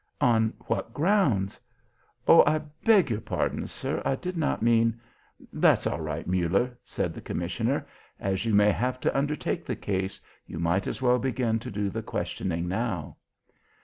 "On what grounds? oh, I beg your pardon, sir; I did not mean " "That's all right, Muller," said the commissioner. "As you may have to undertake the case, you might as well begin to do the questioning now."